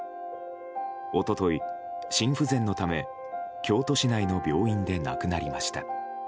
一昨日、心不全のため京都市内の病院で亡くなりました。